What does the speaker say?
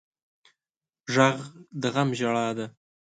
غږ د غم ژړا ده